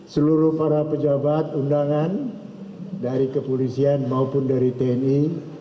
seluruh para pejabat undangan dari kepolisian maupun dari tni